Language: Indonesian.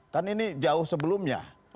kan ini jauh sebelumnya